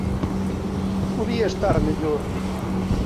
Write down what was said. Podía estar mellor